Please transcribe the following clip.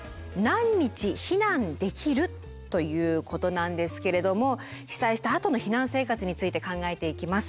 ということなんですけれども被災したあとの避難生活について考えていきます。